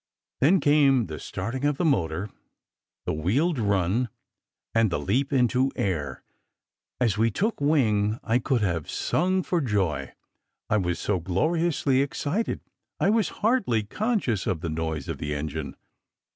Then came the starting of the motor, the wheeled run, and the leap into air. As we took wing, I could have sung for joy. I was so gloriously excited, I was hardly conscious of the noise of the engine.